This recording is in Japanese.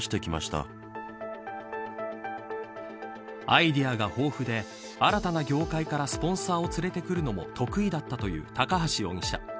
アイデアが豊富で新たな業界からスポンサーを連れてくるのも得意だったという高橋容疑者。